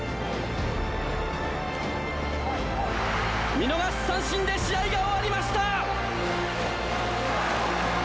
見逃し三振で試合が終わりました！